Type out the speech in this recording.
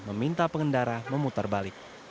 meminta pengendara memutar balik